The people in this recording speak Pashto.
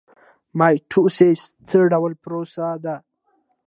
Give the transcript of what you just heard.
مایټوسیس څه ډول پروسه ده؟